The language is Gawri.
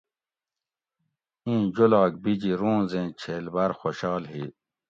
ایں جولاگ بیجی روںزیں چھیل باۤر خوشحال ھی